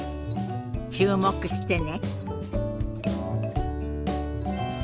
注目してね。